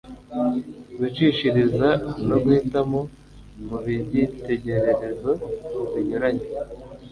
gucishiriza no guhitamo mu byitegererezo binyuranye